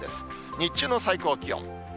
日中の最高気温。